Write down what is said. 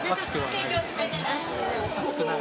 暑くはない？